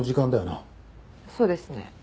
そうですね。